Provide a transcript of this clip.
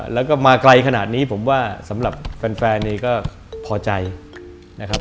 แล้วก็มาไกลขนาดนี้ผมว่าสำหรับแฟนนี้ก็พอใจนะครับ